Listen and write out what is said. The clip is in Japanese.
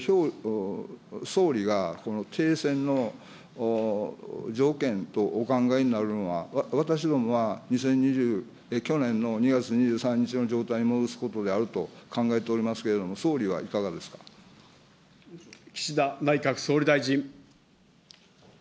総理が停戦の条件とお考えになるのは、私どもは２０２０、去年の２月２３日の状態に戻すことであると考えておりますけれど岸田内閣総理大臣。